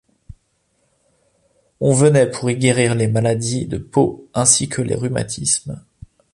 On venait pour y guérir les maladies de peau ainsi que les rhumatismes.